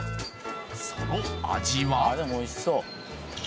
その味は？